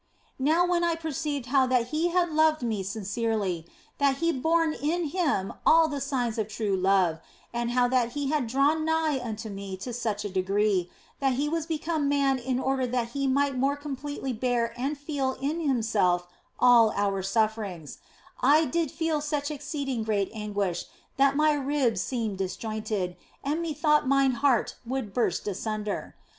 Now when I perceived how that He had loved me sincerely, how that He bore in Him all the signs of true love, and how that He had drawn nigh unto me to such a degree that He was become Man in order that He 208 THE BLESSED ANGELA might more completely bear and feel in Himself all our sufferings, I did feel such exceeding great anguish that my ribs seemed disjointed and methought mine heart would burst asunder.